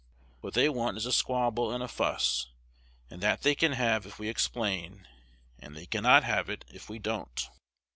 What they want is a squabble and a fuss: and that they can have if we explain; and they cannot have it if we don't.